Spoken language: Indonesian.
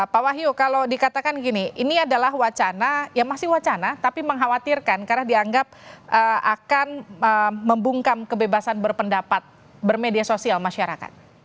pak wahyu kalau dikatakan gini ini adalah wacana ya masih wacana tapi mengkhawatirkan karena dianggap akan membungkam kebebasan berpendapat bermedia sosial masyarakat